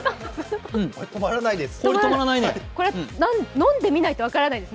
これ止まらないです。